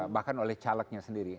bahkan oleh calegnya sendiri